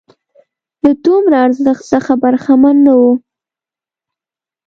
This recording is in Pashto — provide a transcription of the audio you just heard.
له دومره ارزښت څخه برخمن نه وو.